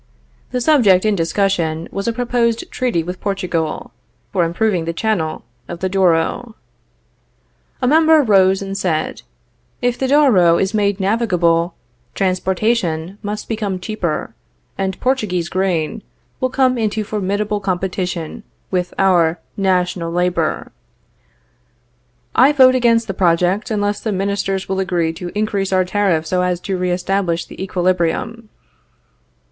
The subject in discussion was a proposed treaty with Portugal, for improving the channel of the Douro. A member rose and said: If the Douro is made navigable, transportation must become cheaper, and Portuguese grain will come into formidable competition with our national labor. I vote against the project, unless ministers will agree to increase our tariff so as to re establish the equilibrium.